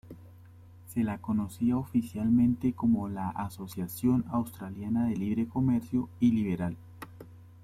Se la conocía oficialmente como la Asociación Australiana de Libre Comercio y Liberal.